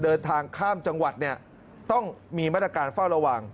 เดินทางข้ามจังหวัดเนี่ยต้องมีมาตรการเฝ้าระวัง